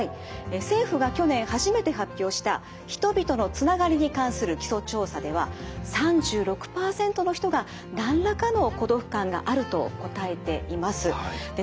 政府が去年初めて発表した「人々のつながりに関する基礎調査」では３６％の人が何らかの「孤独感がある」と答えています。